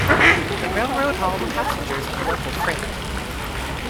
The railroad hauled passengers and local freight.